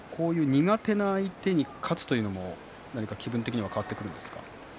苦手な相手に勝つというのも気分的には変わってくるものですか？